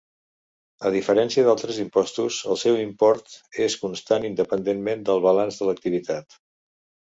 A diferència d'altres impostos, el seu import és constant independentment del balanç de l'activitat.